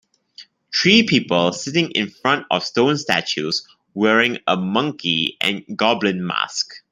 Three people sitting in front of stone statues wearing a monkey and goblin mask.